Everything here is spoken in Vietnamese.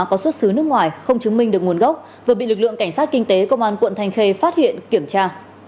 có xuất xứ nước ngoài không chứng minh được nguồn gốc vừa bị lực lượng cảnh sát kinh tế công an quận thanh khê phát hiện kiểm tra